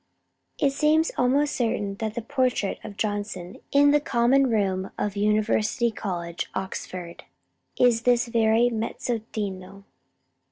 [H 4] It seems almost certain that the portrait of Johnson in the Common Room of University College, Oxford, is this very mezzotinto.